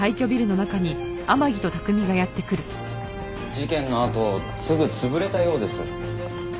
事件のあとすぐ潰れたようです。